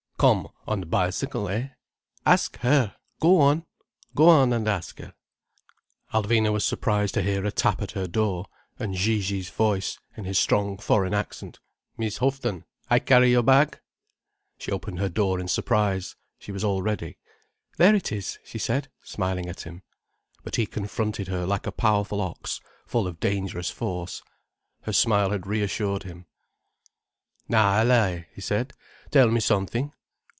Come on bicycle, eh? Ask her! Go on! Go and ask her." Alvina was surprised to hear a tap at her door, and Gigi's voice, in his strong foreign accent: "Mees Houghton, I carry your bag." She opened her door in surprise. She was all ready. "There it is," she said, smiling at him. But he confronted her like a powerful ox, full of dangerous force. Her smile had reassured him. "Na, Allaye," he said, "tell me something."